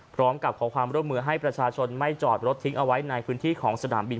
พร้อมกับขอความร่วมมือให้ประชาชนไม่จอดรถทิ้งเอาไว้ในพื้นที่ของสนามบิน